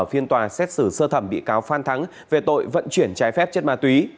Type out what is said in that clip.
phiên tòa xét xử sơ thẩm bị cáo phan thắng về tội vận chuyển trái phép chất ma túy